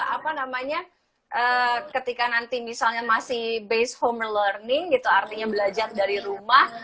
apa namanya ketika nanti misalnya masih based home learning gitu artinya belajar dari rumah